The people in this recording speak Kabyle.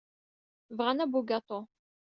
Bɣan abugaṭu.